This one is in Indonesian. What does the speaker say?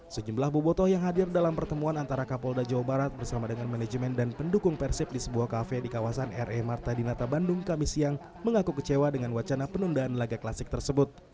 sejumlah bobotoh yang hadir dalam pertemuan antara kapolda jawa barat bersama dengan manajemen dan pendukung persib di sebuah kafe di kawasan re marta dinata bandung kami siang mengaku kecewa dengan wacana penundaan laga klasik tersebut